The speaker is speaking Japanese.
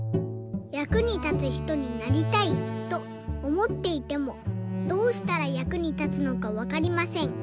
「役に立つひとになりたいとおもっていてもどうしたら役に立つのかわかりません。